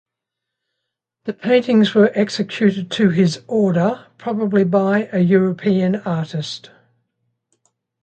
The paintings were executed to his order, probably by a European artist.